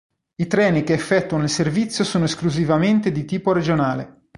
I treni che effettuano il servizio sono esclusivamente di tipo regionale.